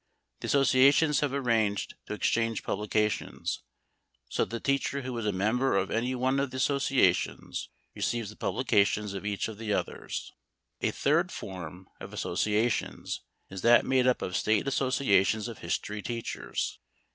The associations have arranged to exchange publications, so that the teacher who is a member of any one of the associations receives the publications of each of the others. A third form of associations is that made up of State associations of history teachers.